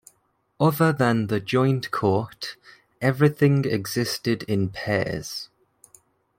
Other than the Joint Court, everything existed in pairs.